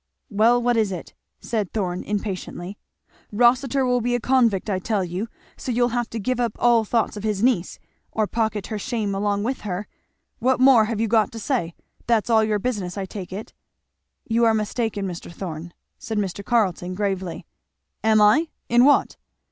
"Well what is it?" said Thorn impatiently. "Rossitur will be a convict, I tell you; so you'll have to give up all thoughts of his niece, or pocket her shame along with her. What more have you got to say? that's all your business, I take it." "You are mistaken, Mr. Thorn," said Mr. Carleton gravely. "Am I? In what?"